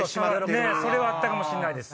それはあったかもしんないです。